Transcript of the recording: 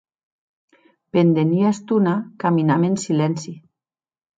Pendent ua estona caminam en silenci.